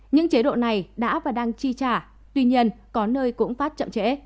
những chế độ này đã và đang chi trả tuy nhiên có nơi cũng phát chậm trễ